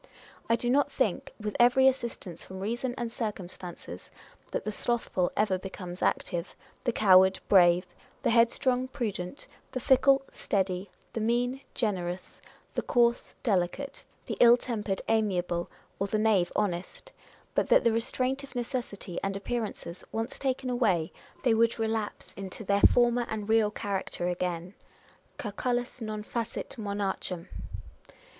I do not think, with every assistance from reason and circum stances, that the slothful ever becomes active, the coward brave, the headstrong prudent, the fickle steady, the mean generous, the coarse delicate, the ill tempered amiable, or the knave honest ; but that the restraint of necessity and appearances once taken away, they would relapse into 332 On Personal Character. their former and real character again : â€" Cucullus non facit monad mm